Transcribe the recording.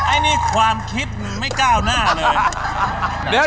ไอ้นี่ความคิดไม่ก้าวหน้าเลย